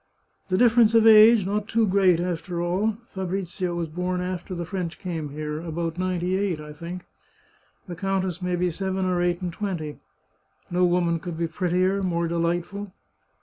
" The difference of age — not too great, after all ! Fabrizio was born after the French came here — about '98, I think. The countess may be seven or eight and twenty. No woman could be prettier, more delightful.